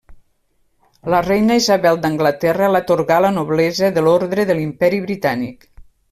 La reina Isabel d'Anglaterra l'atorgà la noblesa de l'Ordre de l'Imperi Britànic.